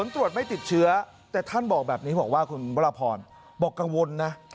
ที่บอกว่าคุณวรพรบอกกังวลนะ